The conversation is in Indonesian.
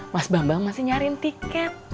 mas bambang masih nyariin tiket